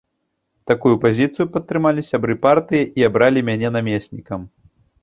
Такую пазіцыю падтрымалі сябры партыі і абралі мяне намеснікам.